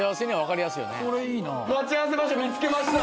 待ち合わせ場所見つけました。